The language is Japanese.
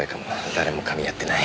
誰もかみ合ってない。